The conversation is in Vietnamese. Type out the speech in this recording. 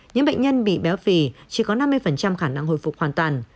những bệnh nhân bị béo phì chỉ có năm mươi khả năng hồi phục hoàn toàn